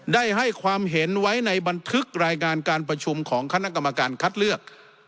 ได้ให้ความเห็นไว้ในบันทึกรายงานการประชุมของคณะกรรมการคัดเลือก